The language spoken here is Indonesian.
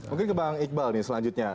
mungkin ke bang iqbal nih selanjutnya